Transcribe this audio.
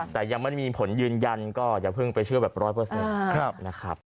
แต่ยังไม่มีผลยืนยันก็อย่าเพิ่งไปเชื่อแบบร้อยเปอร์เซนต์นะครับ